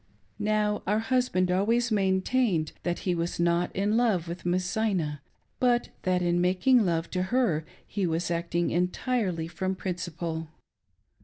Now, our husband always maintained that he was not in . love with Miss Zina, but that in making love to her he was acting entirely from principle.